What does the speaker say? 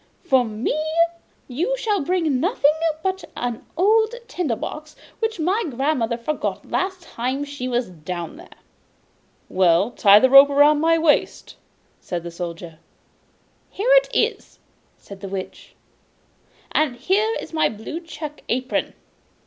For me you shall bring nothing but an old tinder box which my grandmother forgot last time she was down there.' 'Well, tie the rope round my waist! 'said the Soldier. 'Here it is,' said the Witch, 'and here is my blue check apron.